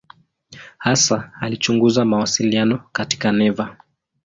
Hasa alichunguza mawasiliano katika neva.